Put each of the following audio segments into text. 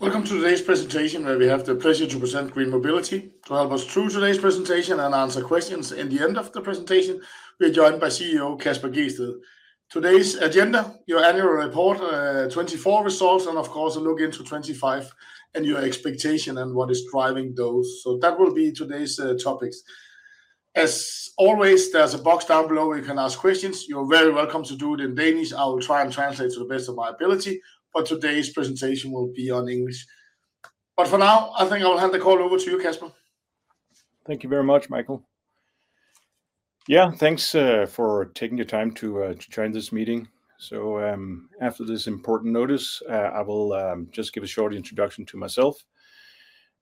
Welcome to today's presentation, where we have the pleasure to present GreenMobility. To help us through today's presentation and answer questions at the end of the presentation, we are joined by CEO Kasper Gjedsted. Today's agenda: your annual report, 2024 results, and of course a look into 2025, and your expectations and what is driving those. That will be today's topics. As always, there is a box down below where you can ask questions. You are very welcome to do it in Danish. I will try and translate to the best of my ability, but today's presentation will be in English. For now, I think I will hand the call over to you, Kasper. Thank you very much, Michael. Yeah, thanks for taking your time to join this meeting. After this important notice, I will just give a short introduction to myself.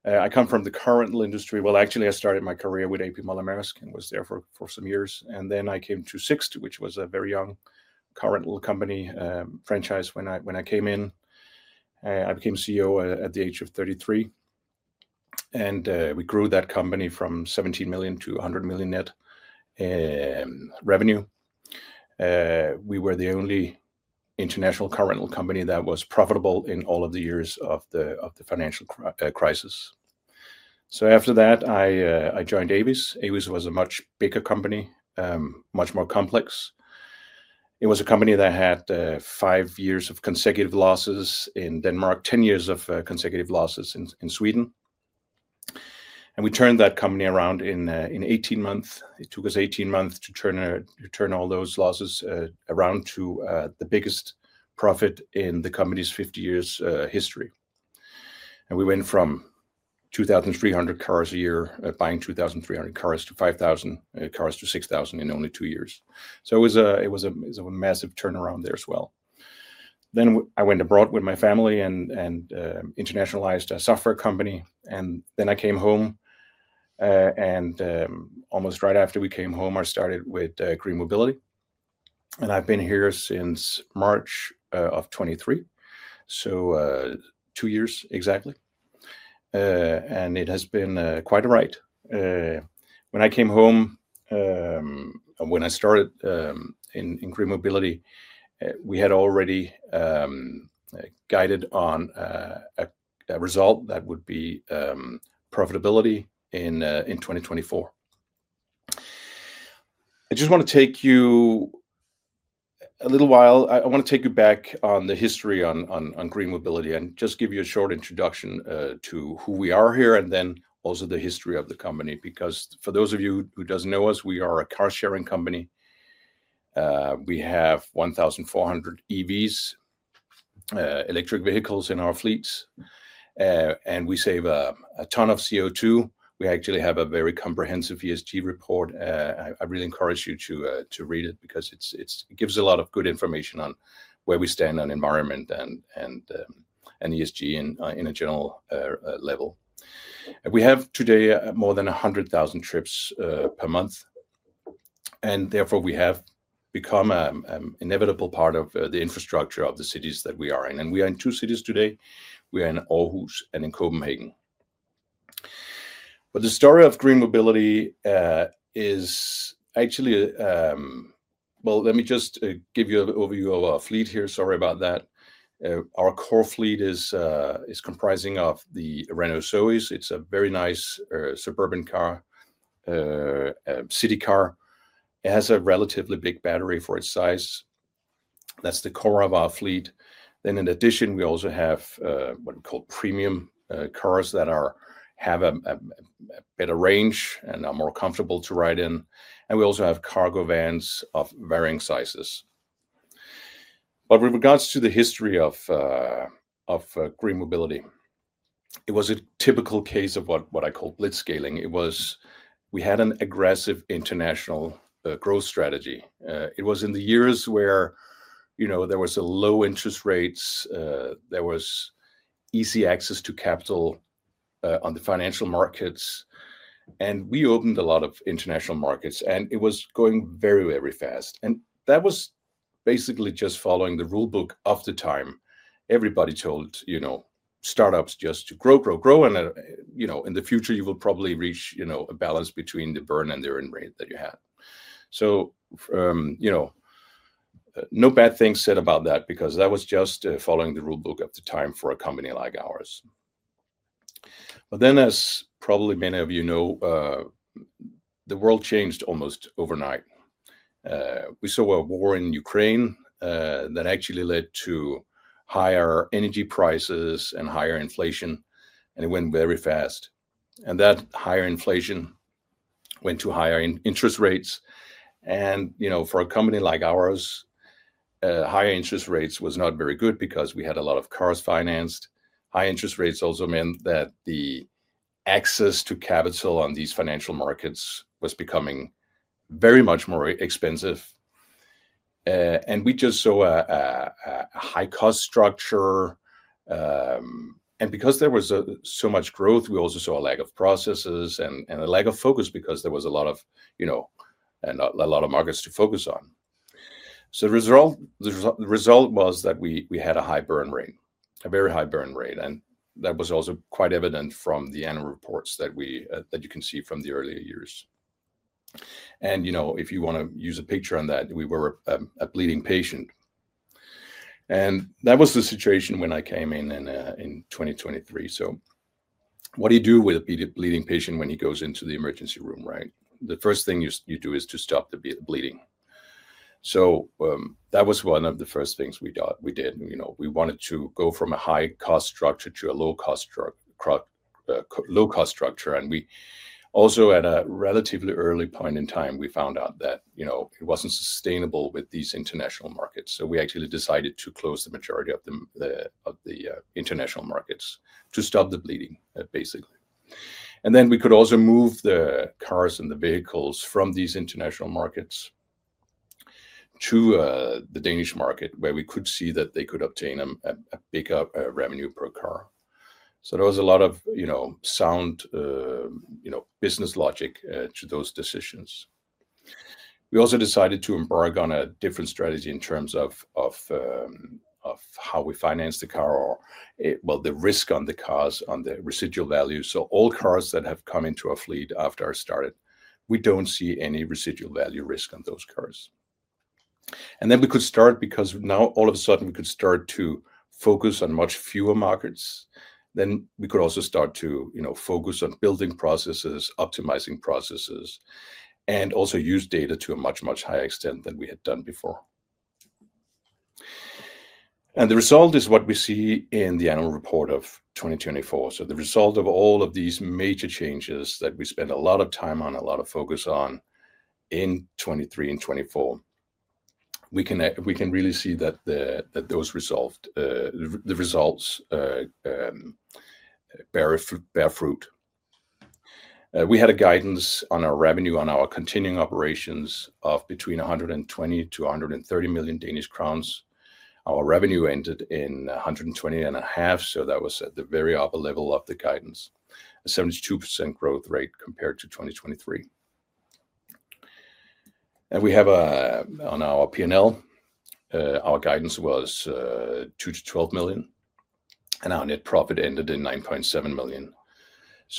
I come from the car rental industry. Actually, I started my career with A.P. Moller-Maersk and was there for some years. I came to Sixt, which was a very young car rental company franchise when I came in. I became CEO at the age of 33, and we grew that company from 17 to 100 million net revenue. We were the only international car rental company that was profitable in all of the years of the financial crisis. After that, I joined Avis. Avis was a much bigger company, much more complex. It was a company that had 5 years of consecutive losses in Denmark, 10 years of consecutive losses in Sweden. We turned that company around in 18 months. It took us 18 months to turn all those losses around to the biggest profit in the company's 50 years history. We went from 2,300 cars a year buying 2,300 cars to 5,000 cars to 6,000 in only two years. It was a massive turnaround there as well. I went abroad with my family and internationalized a software company. I came home, and almost right after we came home, I started with GreenMobility. I have been here since March of 2023, so 2 years exactly. It has been quite a ride. When I came home, when I started in GreenMobility, we had already guided on a result that would be profitability in 2024. I just want to take you a little while. I want to take you back on the history on GreenMobility and just give you a short introduction to who we are here and then also the history of the company. Because for those of you who don't know us, we are a car-sharing company. We have 1,400 EVs, electric vehicles in our fleets, and we save a ton of CO2. We actually have a very comprehensive ESG report. I really encourage you to read it because it gives a lot of good information on where we stand on environment and ESG in a general level. We have today more than 100,000 trips per month, and therefore we have become an inevitable part of the infrastructure of the cities that we are in. We are in two cities today. We are in Aarhus and in Copenhagen. The story of GreenMobility is actually, let me just give you an overview of our fleet here. Sorry about that. Our core fleet is comprising of the Renault Zoe. It's a very nice suburban car, city car. It has a relatively big battery for its size. That's the core of our fleet. In addition, we also have what we call premium cars that have a better range and are more comfortable to ride in. We also have cargo vans of varying sizes. With regards to the history of GreenMobility, it was a typical case of what I call blitzscaling. We had an aggressive international growth strategy. It was in the years where there were low interest rates, there was easy access to capital on the financial markets, and we opened a lot of international markets, and it was going very, very fast. That was basically just following the rulebook of the time. Everybody told startups just to grow, grow, grow, and in the future, you will probably reach a balance between the burn and the earn rate that you have. No bad things said about that because that was just following the rulebook of the time for a company like ours. As probably many of you know, the world changed almost overnight. We saw a war in Ukraine that actually led to higher energy prices and higher inflation, and it went very fast. That higher inflation went to higher interest rates. For a company like ours, higher interest rates were not very good because we had a lot of cars financed. High interest rates also meant that the access to capital on these financial markets was becoming very much more expensive. We just saw a high-cost structure. Because there was so much growth, we also saw a lack of processes and a lack of focus because there was a lot of markets to focus on. The result was that we had a high burn rate, a very high burn rate. That was also quite evident from the annual reports that you can see from the earlier years. If you want to use a picture on that, we were a bleeding patient. That was the situation when I came in in 2023. What do you do with a bleeding patient when he goes into the emergency room, right? The first thing you do is to stop the bleeding. That was one of the first things we did. We wanted to go from a high-cost structure to a low-cost structure. We also, at a relatively early point in time, found out that it was not sustainable with these international markets. We actually decided to close the majority of the international markets to stop the bleeding, basically. We could also move the cars and the vehicles from these international markets to the Danish market, where we could see that they could obtain a bigger revenue per car. There was a lot of sound business logic to those decisions. We also decided to embark on a different strategy in terms of how we finance the car, the risk on the cars, on the residual value. All cars that have come into our fleet after I started, we do not see any residual value risk on those cars. We could start because now, all of a sudden, we could start to focus on much fewer markets. We could also start to focus on building processes, optimizing processes, and also use data to a much, much higher extent than we had done before. The result is what we see in the annual report of 2024. The result of all of these major changes that we spent a lot of time on, a lot of focus on in 2023 and 2024, we can really see that the results bear fruit. We had a guidance on our revenue on our continuing operations of between 120 to 130 million. Our revenue ended in 120.5 million. That was at the very upper level of the guidance, a 72% growth rate compared to 2023. We have on our P&L, our guidance was 2 million to 12 million, and our net profit ended in 9.7 million.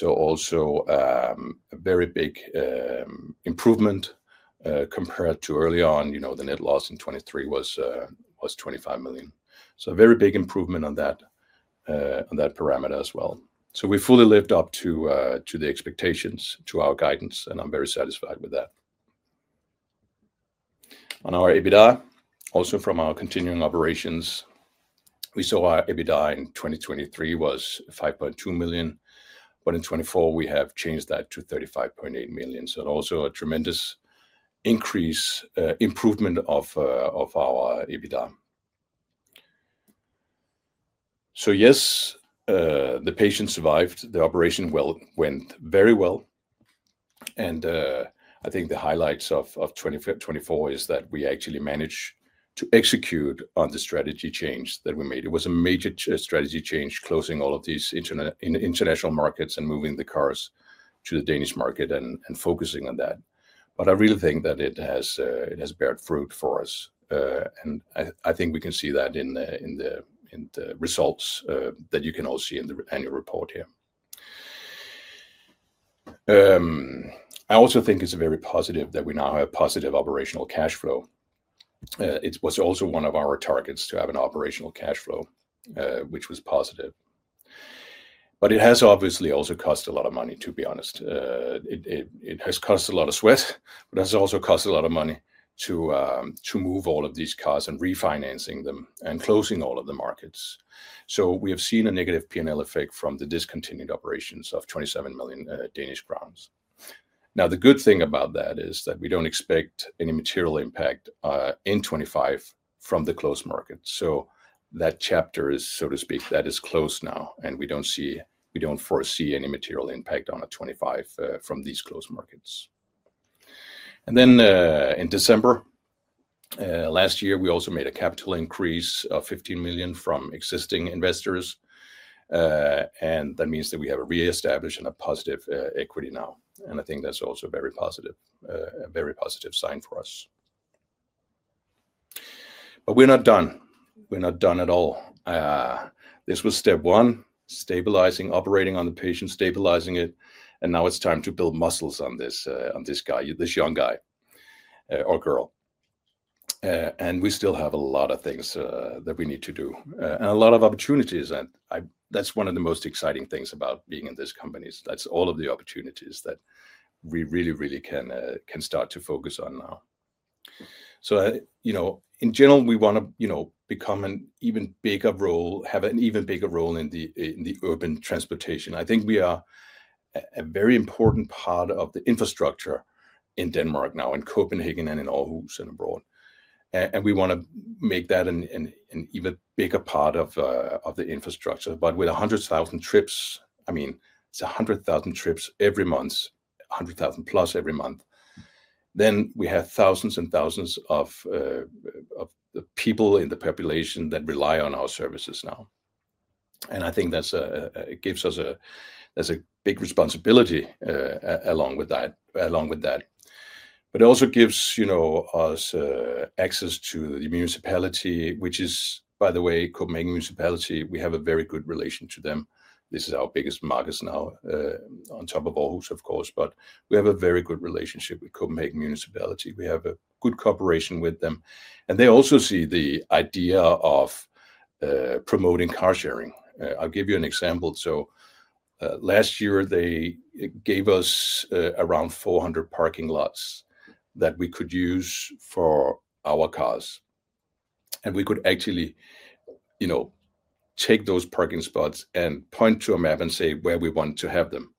Also a very big improvement compared to early on. The net loss in 2023 was 25 million. A very big improvement on that parameter as well. We fully lived up to the expectations, to our guidance, and I'm very satisfied with that. On our EBITDA, also from our continuing operations, we saw our EBITDA in 2023 was 5.2 million, but in 2024, we have changed that to 35.8 million. A tremendous increase, improvement of our EBITDA. Yes, the patient survived. The operation went very well. I think the highlights of 2024 is that we actually managed to execute on the strategy change that we made. It was a major strategy change, closing all of these international markets and moving the cars to the Danish market and focusing on that. I really think that it has beared fruit for us. I think we can see that in the results that you can all see in the annual report here. I also think it's very positive that we now have positive operational cash flow. It was also one of our targets to have an operational cash flow, which was positive. It has obviously also cost a lot of money, to be honest. It has cost a lot of sweat, but it has also cost a lot of money to move all of these cars and refinancing them and closing all of the markets. We have seen a negative P&L effect from the discontinued operations of 27 million Danish crowns. The good thing about that is that we do not expect any material impact in 2025 from the closed markets. That chapter, so to speak, is closed now, and we do not foresee any material impact on 2025 from these closed markets. In December last year, we also made a capital increase of 15 million from existing investors. That means we have reestablished a positive equity now. I think that is also a very positive sign for us. We are not done. We are not done at all. This was step one, stabilizing, operating on the patient, stabilizing it. Now it is time to build muscles on this guy, this young guy or girl. We still have a lot of things that we need to do and a lot of opportunities. That is one of the most exciting things about being in this company. That is all of the opportunities that we really, really can start to focus on now. In general, we want to become an even bigger role, have an even bigger role in urban transportation. I think we are a very important part of the infrastructure in Denmark now, in Copenhagen and in Aarhus and abroad. We want to make that an even bigger part of the infrastructure. With 100,000 trips, I mean, it's 100,000 trips every month, 100,000 plus every month. We have thousands and thousands of people in the population that rely on our services now. I think that gives us a big responsibility along with that. It also gives us access to the municipality, which is, by the way, Copenhagen Municipality. We have a very good relation to them. This is our biggest markets now, on top of Aarhus, of course. We have a very good relationship with Copenhagen Municipality. We have a good cooperation with them. They also see the idea of promoting car sharing. I'll give you an example. Last year, they gave us around 400 parking lots that we could use for our cars. We could actually take those parking spots and point to a map and say where we want to have them.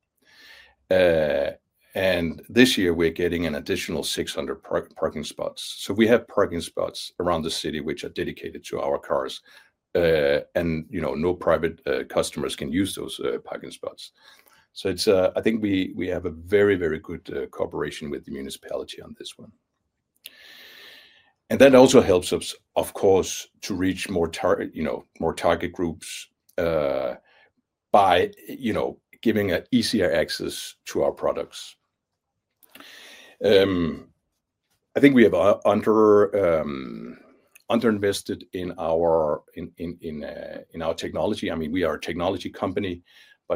This year, we're getting an additional 600 parking spots. We have parking spots around the city which are dedicated to our cars. No private customers can use those parking spots. I think we have a very, very good cooperation with the municipality on this one. That also helps us, of course, to reach more target groups by giving an easier access to our products. I think we have underinvested in our technology. I mean, we are a technology company.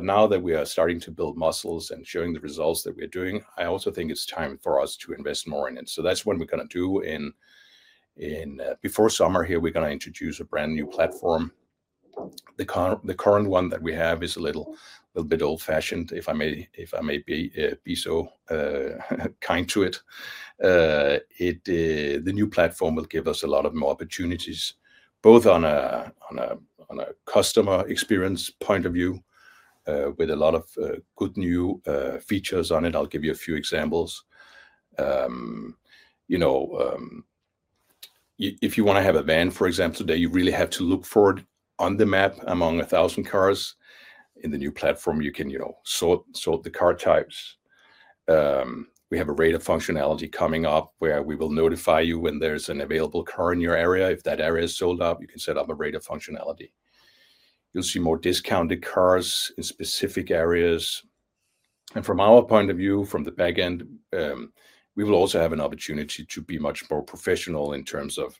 Now that we are starting to build muscles and showing the results that we're doing, I also think it's time for us to invest more in it. That's what we're going to do. Before summer here, we're going to introduce a brand new platform. The current one that we have is a little bit old-fashioned, if I may be so kind to it. The new platform will give us a lot more opportunities, both on a customer experience point of view, with a lot of good new features on it. I'll give you a few examples. If you want to have a van, for example, today, you really have to look for it on the map among 1,000 cars. In the new platform, you can sort the car types. We have a radar functionality coming up where we will notify you when there's an available car in your area. If that area is sold out, you can set up a rate of functionality. You'll see more discounted cars in specific areas. From our point of view, from the back end, we will also have an opportunity to be much more professional in terms of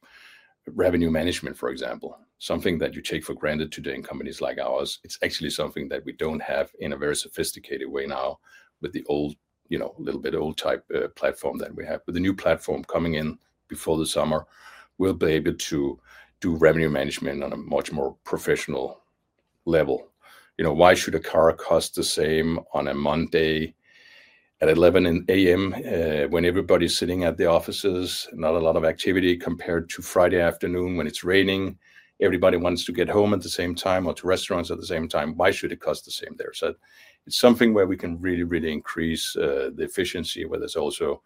revenue management, for example. Something that you take for granted today in companies like ours, it's actually something that we don't have in a very sophisticated way now with the little bit old type platform that we have. With the new platform coming in before the summer, we'll be able to do revenue management on a much more professional level. Why should a car cost the same on a Monday at 11:00 A.M. when everybody's sitting at the offices, not a lot of activity compared to Friday afternoon when it's raining, everybody wants to get home at the same time or to restaurants at the same time? Why should it cost the same there? It is something where we can really, really increase the efficiency, where there's also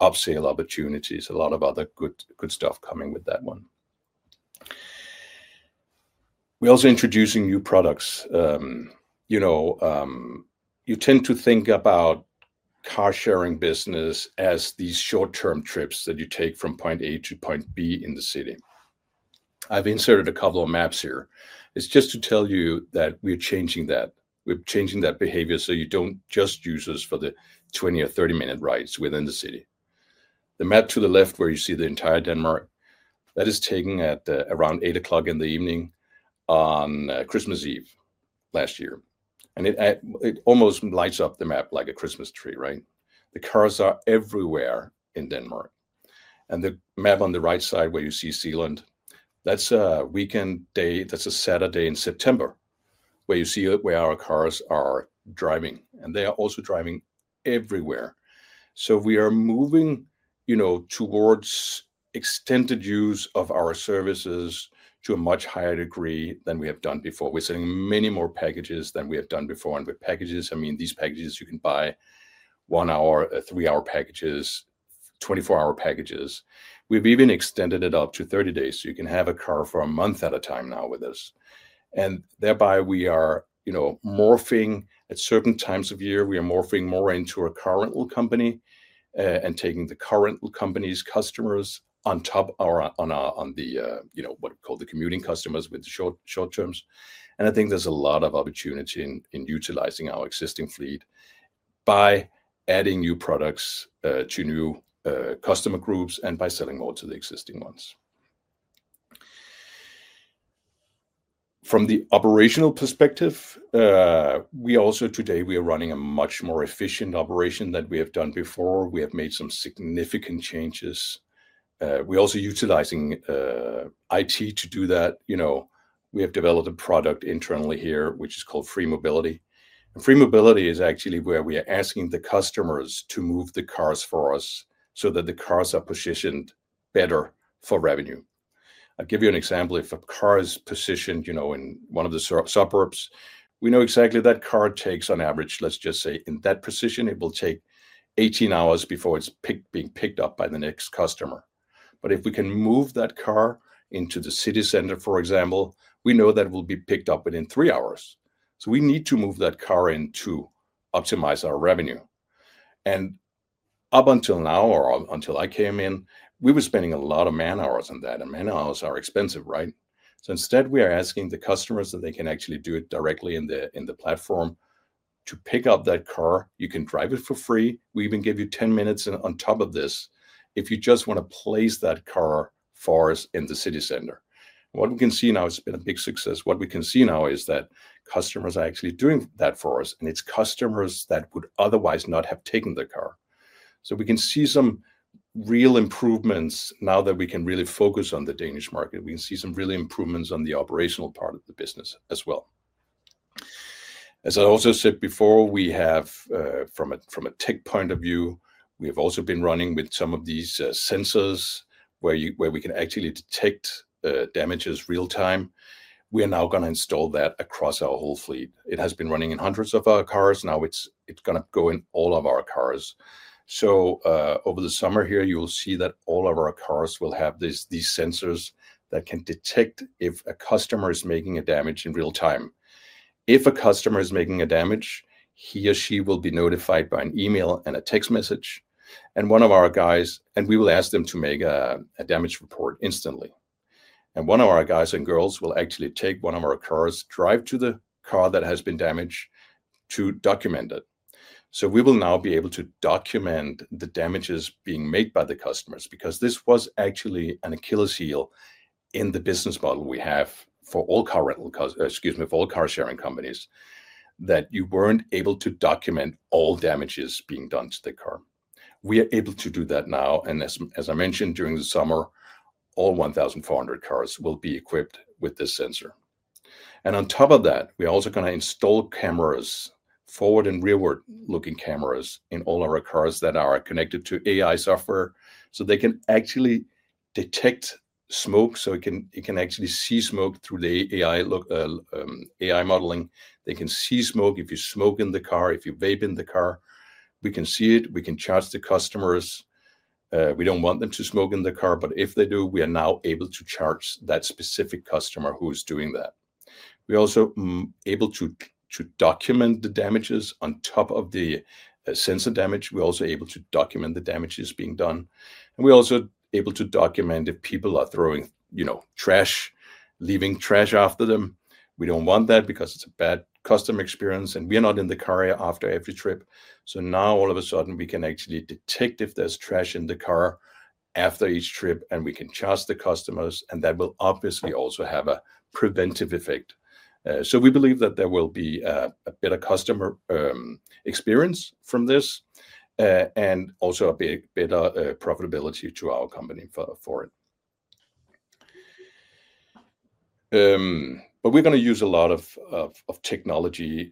upsale opportunities, a lot of other good stuff coming with that one. We're also introducing new products. You tend to think about car sharing business as these short-term trips that you take from point A to point B in the city. I've inserted a couple of maps here. It is just to tell you that we're changing that. We're changing that behavior so you don't just use us for the 20 or 30-minute rides within the city. The map to the left where you see the entire Denmark, that is taken at around 8:00 P.M. on Christmas Eve last year. It almost lights up the map like a Christmas tree, right? The cars are everywhere in Denmark. The map on the right side where you see Zealand, that's a weekend day. That's a Saturday in September where you see where our cars are driving. They are also driving everywhere. We are moving towards extended use of our services to a much higher degree than we have done before. We're sending many more packages than we have done before. With packages, I mean, these packages, you can buy 1-hour, 3-hour packages, 24-hour packages. We've even extended it up to 30 days. You can have a car for a month at a time now with us. Thereby, we are morphing at certain times of year. We are morphing more into a current company and taking the current company's customers on top of what we call the commuting customers with the short-terms. I think there's a lot of opportunity in utilizing our existing fleet by adding new products to new customer groups and by selling more to the existing ones. From the operational perspective, today, we are running a much more efficient operation than we have done before. We have made some significant changes. We're also utilizing IT to do that. We have developed a product internally here, which is called FreeMobility. FreeMobility is actually where we are asking the customers to move the cars for us so that the cars are positioned better for revenue. I'll give you an example. If a car is positioned in one of the suburbs, we know exactly that car takes on average, let's just say, in that position, it will take 18 hours before it's being picked up by the next customer. If we can move that car into the city center, for example, we know that it will be picked up within three hours. We need to move that car in to optimize our revenue. Up until now, or until I came in, we were spending a lot of man-hours on that. Man-hours are expensive, right? Instead, we are asking the customers that they can actually do it directly in the platform to pick up that car. You can drive it for free. We even give you 10 minutes on top of this if you just want to place that car for us in the city center. What we can see now, it's been a big success. What we can see now is that customers are actually doing that for us. And it's customers that would otherwise not have taken the car. We can see some real improvements now that we can really focus on the Danish market. We can see some real improvements on the operational part of the business as well. As I also said before, from a tech point of view, we have also been running with some of these sensors where we can actually detect damages real-time. We are now going to install that across our whole fleet. It has been running in hundreds of our cars. Now it's going to go in all of our cars. Over the summer here, you will see that all of our cars will have these sensors that can detect if a customer is making a damage in real time. If a customer is making a damage, he or she will be notified by an email and a text message. We will ask them to make a damage report instantly. One of our guys and girls will actually take one of our cars, drive to the car that has been damaged to document it. We will now be able to document the damages being made by the customers because this was actually an Achilles heel in the business model we have for all car sharing companies, that you were not able to document all damages being done to the car. We are able to do that now. As I mentioned, during the summer, all 1,400 cars will be equipped with this sensor. On top of that, we are also going to install cameras, forward and rearward-looking cameras in all our cars that are connected to AI software so they can actually detect smoke. It can actually see smoke through the AI modeling. They can see smoke if you smoke in the car, if you vape in the car. We can see it. We can charge the customers. We do not want them to smoke in the car. If they do, we are now able to charge that specific customer who is doing that. We are also able to document the damages on top of the sensor damage. We are also able to document the damages being done. We are also able to document if people are throwing trash, leaving trash after them. We do not want that because it is a bad customer experience. We are not in the car after every trip. Now, all of a sudden, we can actually detect if there is trash in the car after each trip. We can charge the customers, and that will obviously also have a preventive effect. We believe that there will be a better customer experience from this and also better profitability to our company for it. We are going to use a lot of technology.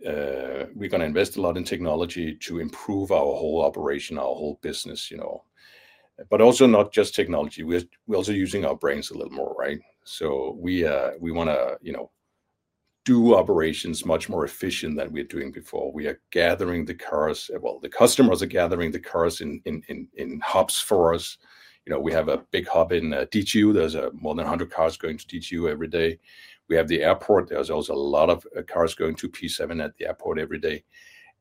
We are going to invest a lot in technology to improve our whole operation, our whole business. Also, not just technology. We are also using our brains a little more, right? We want to do operations much more efficiently than we are doing before. We are gathering the cars. The customers are gathering the cars in hubs for us. We have a big hub in DTU. There are more than 100 cars going to DTU every day. We have the airport. There are also a lot of cars going to P7 at the airport every day.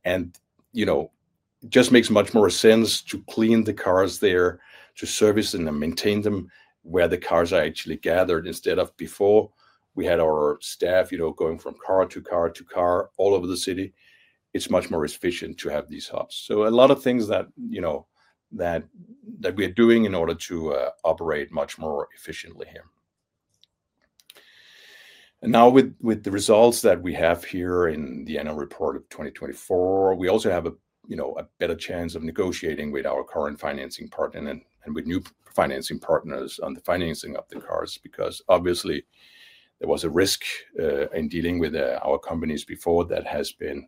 It just makes much more sense to clean the cars there, to service and maintain them where the cars are actually gathered instead of before. We had our staff going from car to car to car all over the city. It is much more efficient to have these hubs. A lot of things that we are doing in order to operate much more efficiently here. Now, with the results that we have here in the annual report of 2024, we also have a better chance of negotiating with our current financing partner and with new financing partners on the financing of the cars because, obviously, there was a risk in dealing with our companies before that has been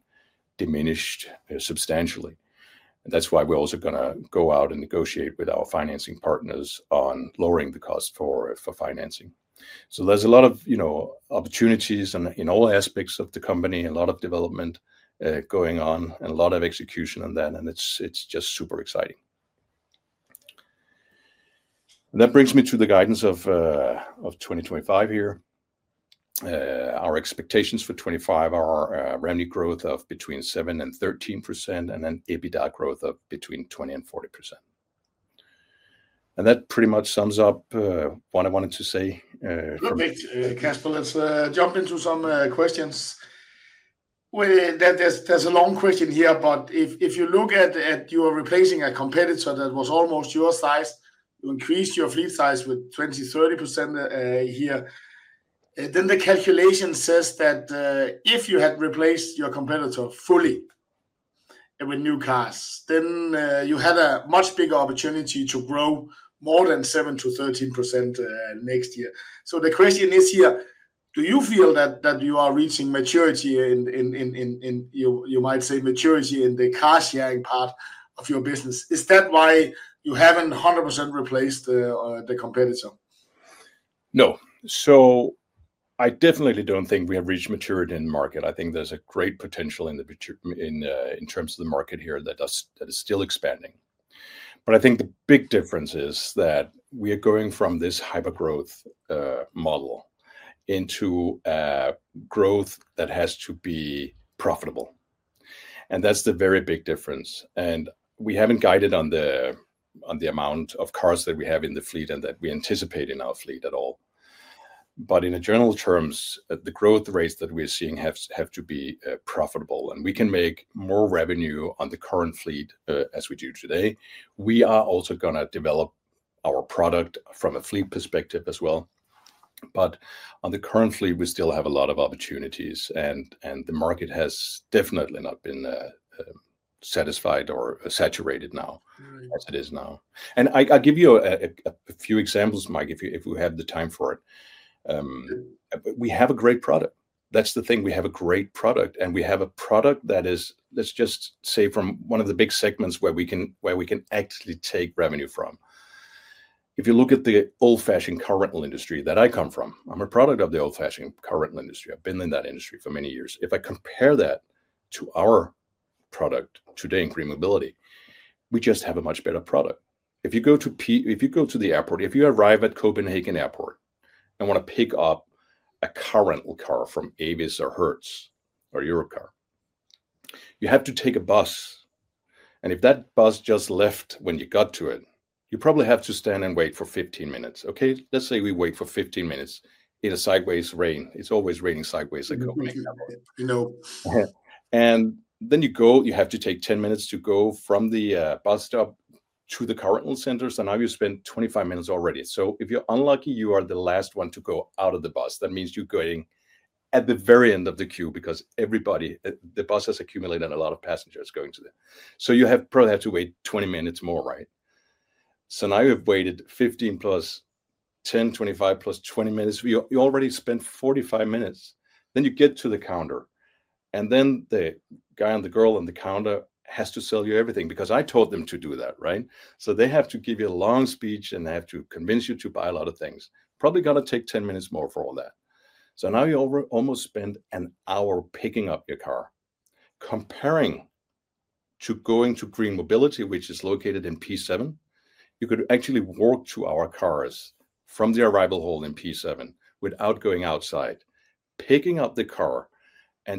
diminished substantially. That is why we are also going to go out and negotiate with our financing partners on lowering the cost for financing. There are a lot of opportunities in all aspects of the company, a lot of development going on, and a lot of execution on that. It is just super exciting. That brings me to the guidance of 2025 here. Our expectations for 2025 are revenue growth of between 7% and 13% and an EBITDA growth of between 20% and 40%. That pretty much sums up what I wanted to say. Perfect, Kasper. Let's jump into some questions. There's a long question here, but if you look at your replacing a competitor that was almost your size, you increased your fleet size with 20% to 30% here. The calculation says that if you had replaced your competitor fully with new cars, you had a much bigger opportunity to grow more than 7% to 13% next year. The question is here, do you feel that you are reaching maturity in, you might say, maturity in the car sharing part of your business? Is that why you haven't 100% replaced the competitor? No. I definitely don't think we have reached maturity in the market. I think there's a great potential in terms of the market here that is still expanding. I think the big difference is that we are going from this hyper-growth model into growth that has to be profitable. That is the very big difference. We have not guided on the amount of cars that we have in the fleet and that we anticipate in our fleet at all. In general terms, the growth rates that we are seeing have to be profitable. We can make more revenue on the current fleet as we do today. We are also going to develop our product from a fleet perspective as well. On the current fleet, we still have a lot of opportunities. The market has definitely not been satisfied or saturated now as it is now. I will give you a few examples, Mike, if you have the time for it. We have a great product. That is the thing. We have a great product. We have a product that is, let's just say, from one of the big segments where we can actually take revenue from. If you look at the old-fashioned car rental industry that I come from, I'm a product of the old-fashioned car rental industry. I've been in that industry for many years. If I compare that to our product today in FreeMobility, we just have a much better product. If you go to the airport, if you arrive at Copenhagen Airport and want to pick up a car rental car from Avis or Hertz or Europcar, you have to take a bus. If that bus just left when you got to it, you probably have to stand and wait for 15 minutes. Okay? Let's say we wait for 15 minutes in a sideways rain. It's always raining sideways at Copenhagen. You go. You have to take 10 minutes to go from the bus stop to the car rental centers. Now you spend 25 minutes already. If you're unlucky, you are the last one to go out of the bus. That means you're getting at the very end of the queue because everybody, the bus has accumulated a lot of passengers going to there. You probably have to wait 20 minutes more, right? Now you've waited 15+10+25+20 minutes. You already spent 45 minutes. You get to the counter. The guy and the girl on the counter have to sell you everything because I told them to do that, right? They have to give you a long speech, and they have to convince you to buy a lot of things. Probably going to take 10 minutes more for all that. Now you almost spend an hour picking up your car. Comparing to going to GreenMobility, which is located in P7, you could actually walk to our cars from the arrival hall in P7 without going outside, picking up the car.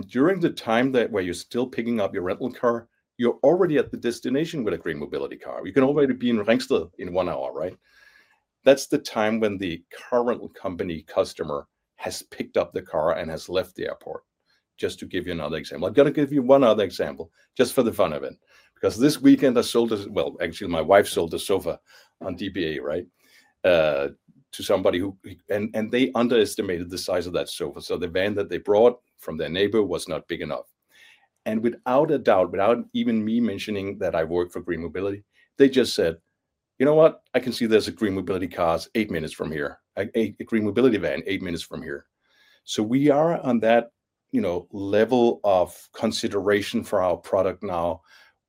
During the time where you're still picking up your rental car, you're already at the destination with a GreenMobility car. You can already be in Ringsted in one hour, right? That's the time when the car rental company customer has picked up the car and has left the airport. Just to give you another example, I'm going to give you one other example just for the fun of it. This weekend, I sold a, actually, my wife sold a sofa on DBA, right, to somebody. They underestimated the size of that sofa. The van that they brought from their neighbor was not big enough. Without a doubt, without even me mentioning that I work for GreenMobility, they just said, "You know what? I can see there's a GreenMobility car 8 minutes from here, a GreenMobility van eight minutes from here." We are on that level of consideration for our product now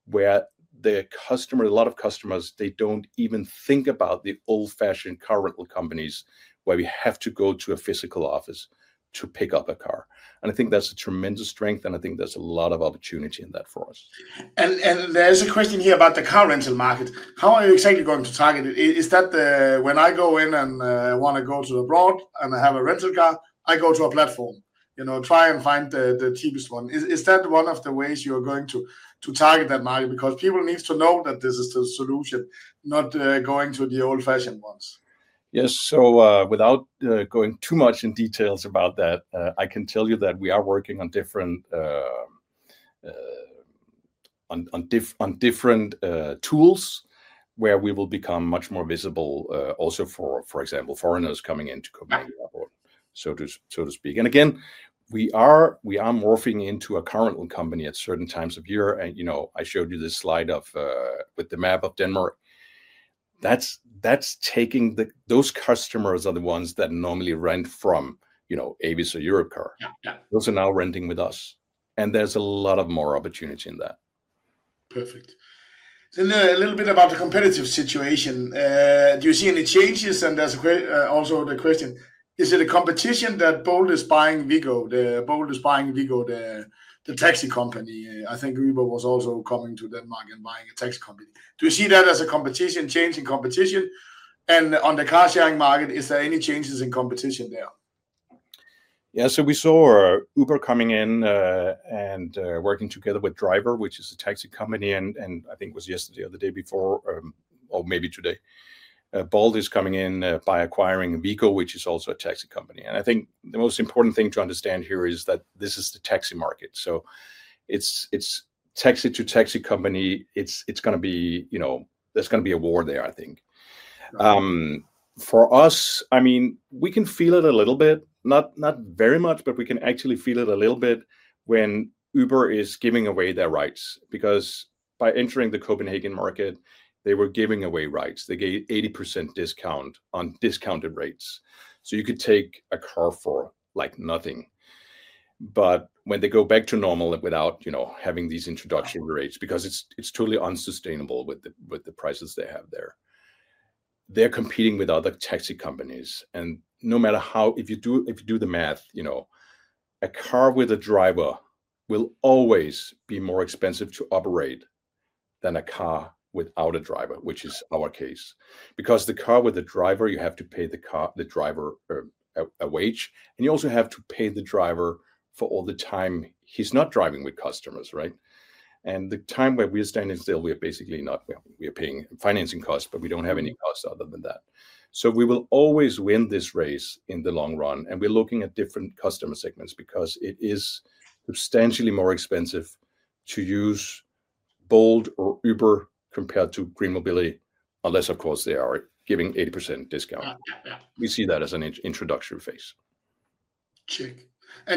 where a lot of customers, they do not even think about the old-fashioned car rental companies where we have to go to a physical office to pick up a car. I think that is a tremendous strength. I think there is a lot of opportunity in that for us. There is a question here about the car rental market. How are you exactly going to target it? Is that when I go in and want to go abroad and I have a rental car, I go to a platform, try and find the cheapest one? Is that one of the ways you are going to target that market? Because people need to know that this is the solution, not going to the old-fashioned ones. Yes. Without going too much in details about that, I can tell you that we are working on different tools where we will become much more visible also for, for example, foreigners coming into Copenhagen, so to speak. Again, we are morphing into a car rental company at certain times of year. I showed you this slide with the map of Denmark. That is taking those customers, the ones that normally rent from Avis or Europcar. Those are now renting with us. There is a lot more opportunity in that. Perfect. A little bit about the competitive situation. Do you see any changes? There is also the question, is it a competition that Bolt is buying Viggo? Bolt is buying Viggo, the taxi company. I think Uber was also coming to Denmark and buying a taxi company. Do you see that as a competition, changing competition? On the car sharing market, is there any changes in competition there? Yeah. We saw Uber coming in and working together with Drivr, which is a taxi company, and I think it was yesterday or the day before, or maybe today. Bolt is coming in by acquiring Viggo, which is also a taxi company. I think the most important thing to understand here is that this is the taxi market. It is taxi to taxi company. There is going to be a war there, I think. For us, I mean, we can feel it a little bit, not very much, but we can actually feel it a little bit when Uber is giving away their rights. Because by entering the Copenhagen market, they were giving away rights. They gave 80% discount on discounted rates. You could take a car for nothing. When they go back to normal without having these introduction rates because it is totally unsustainable with the prices they have there, they are competing with other taxi companies. No matter how, if you do the math, a car with a driver will always be more expensive to operate than a car without a driver, which is our case. Because the car with a driver, you have to pay the driver a wage. You also have to pay the driver for all the time he is not driving with customers, right? The time where we're standing still, we are basically not, we are paying financing costs, but we don't have any costs other than that. We will always win this race in the long run. We're looking at different customer segments because it is substantially more expensive to use Bolt or Uber compared to GreenMobility, unless, of course, they are giving 80% discount. We see that as an introduction phase. Check.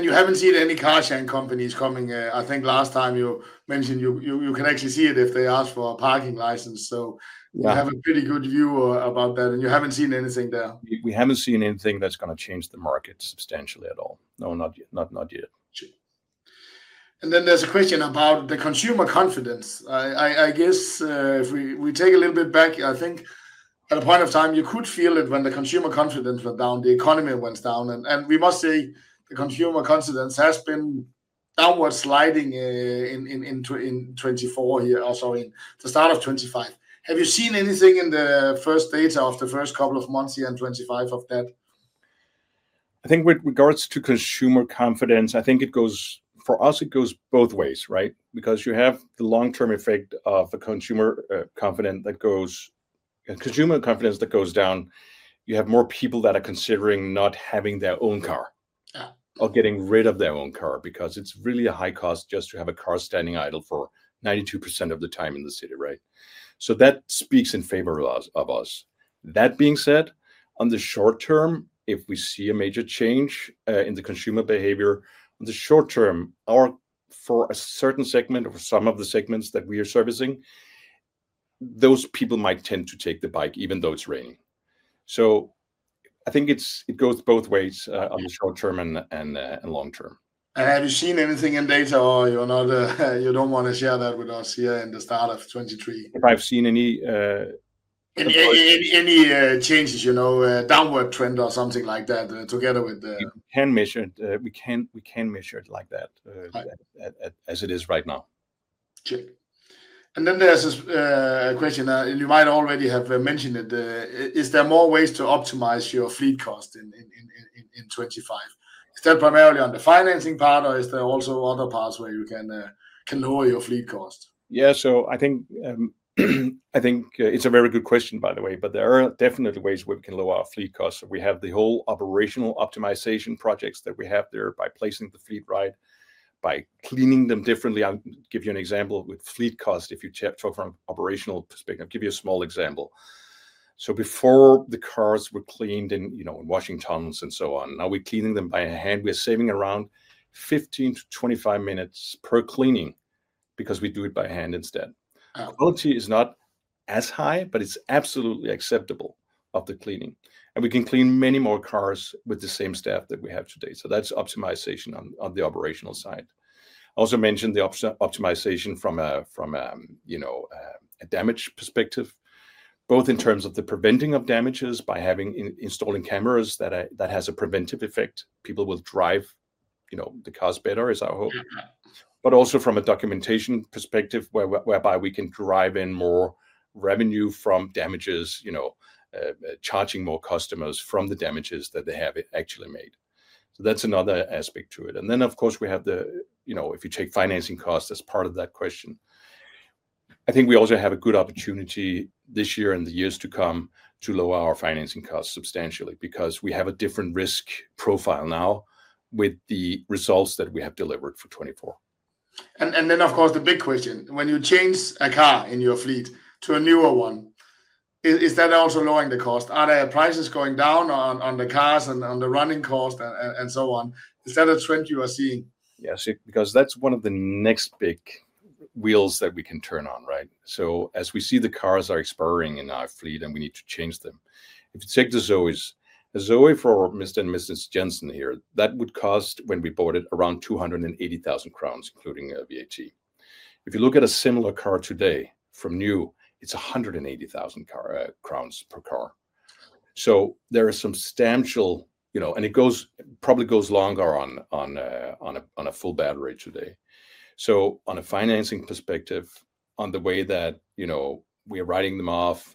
You haven't seen any car sharing companies coming. I think last time you mentioned you can actually see it if they ask for a parking license, so you have a pretty good view about that. You haven't seen anything there? We haven't seen anything that's going to change the market substantially at all. No, not yet. There is a question about the consumer confidence. I guess if we take a little bit back, I think at a point of time, you could feel it when the consumer confidence went down, the economy went down. We must say the consumer confidence has been downward sliding in 2024 here, or sorry, the start of 2025. Have you seen anything in the first data of the first couple of months here in 2025 of that? I think with regards to consumer confidence, I think it goes for us, it goes both ways, right? Because you have the long-term effect of a consumer confidence that goes down, you have more people that are considering not having their own car or getting rid of their own car because it's really a high cost just to have a car standing idle for 92% of the time in the city, right? That speaks in favor of us. That being said, on the short-term, if we see a major change in the consumer behavior, on the short-term, for a certain segment or some of the segments that we are servicing, those people might tend to take the bike even though it's raining. I think it goes both ways on the short-term and long-term. Have you seen anything in data or you don't want to share that with us here in the start of 2023? If I've seen any? Any changes, downward trend or something like that together with the? We can measure it. We can measure it like that as it is right now. Check. There is a question, and you might already have mentioned it. Is there more ways to optimize your fleet cost in 2025? Is that primarily on the financing part, or is there also other parts where you can lower your fleet cost? Yeah. I think it's a very good question, by the way, but there are definitely ways where we can lower our fleet costs. We have the whole operational optimization projects that we have there by placing the fleet right, by cleaning them differently. I'll give you an example with fleet cost. If you talk from an operational perspective, I'll give you a small example. Before the cars were cleaned in washing tunnels and so on, now we're cleaning them by hand. We're saving around 15 to 25 minutes per cleaning because we do it by hand instead. The quality is not as high, but it's absolutely acceptable of the cleaning. We can clean many more cars with the same staff that we have today. That is optimization on the operational side. I also mentioned the optimization from a damage perspective, both in terms of the preventing of damages by installing cameras that has a preventive effect. People will drive the cars better, as I hope. Also from a documentation perspective whereby we can drive in more revenue from damages, charging more customers from the damages that they have actually made. That is another aspect to it. Of course, if you take financing costs as part of that question, I think we also have a good opportunity this year and the years to come to lower our financing costs substantially because we have a different risk profile now with the results that we have delivered for 2024. Of course, the big question, when you change a car in your fleet to a newer one, is that also lowering the cost? Are prices going down on the cars and on the running cost and so on? Is that a trend you are seeing? Yes, because that's one of the next big wheels that we can turn on, right? As we see the cars are expiring in our fleet and we need to change them, if you take the Zoe, the Zoe for Mr. and Mrs. Jensen here, that would cost, when we bought it, around 280,000 crowns including VAT. If you look at a similar car today from new, it's 180,000 crowns per car. There are substantial, and it probably goes longer on a full battery today. On a financing perspective, on the way that we are writing them off,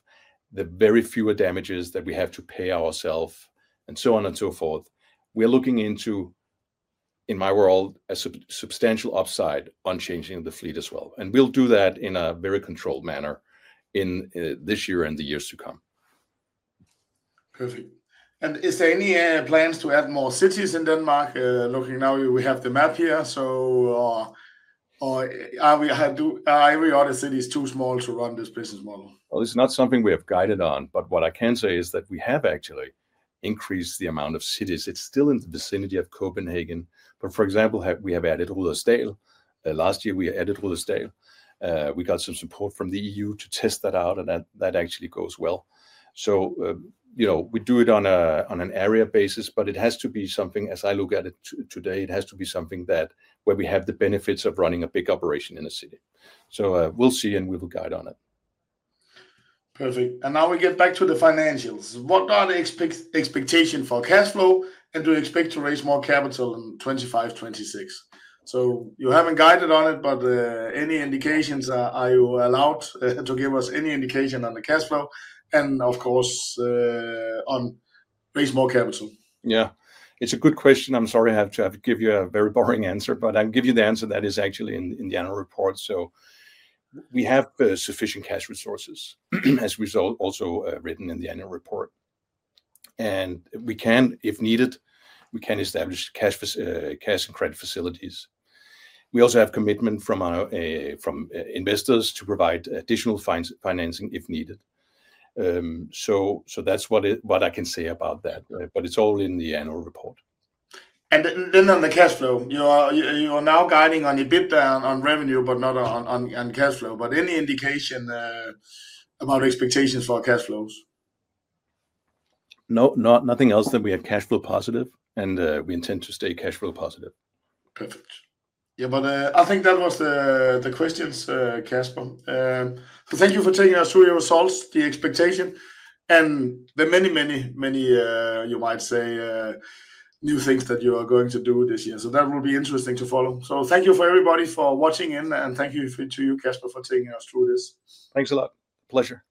the very fewer damages that we have to pay ourself, and so on and so forth, we're looking into, in my world, a substantial upside on changing the fleet as well. We'll do that in a very controlled manner this year and the years to come. Perfect. Is there any plans to add more cities in Denmark? Looking now, we have the map here. Are every other city too small to run this business model? It's not something we have guided on. What I can say is that we have actually increased the amount of cities. It's still in the vicinity of Copenhagen. For example, we have added Rødovre. Last year, we added Rødovre. We got some support from the EU to test that out, and that actually goes well. We do it on an area basis, but it has to be something, as I look at it today, it has to be something where we have the benefits of running a big operation in a city. We will see, and we will guide on it. Perfect. Now we get back to the financials. What are the expectations for cash flow, and do you expect to raise more capital in 2025, 2026? You have not guided on it, but any indications, are you allowed to give us any indication on the cash flow and, of course, on raise more capital? Yeah. It is a good question. I am sorry to give you a very boring answer, but I will give you the answer that is actually in the annual report. We have sufficient cash resources, as we also have written in the annual report. If needed, we can establish cash and credit facilities. We also have commitment from investors to provide additional financing if needed. That is what I can say about that. It is all in the annual report. On the cash flow, you are now guiding a bit on revenue, but not on cash flow. Any indication about expectations for cash flows? No, nothing else than we have cash flow positive, and we intend to stay cash flow positive. Perfect. I think that was the questions, Kasper. Thank you for taking us through your results, the expectation, and the many, many, many, you might say, new things that you are going to do this year. That will be interesting to follow. Thank you to everybody for watching in, and thank you to you, Kasper, for taking us through this. Thanks a lot. Pleasure.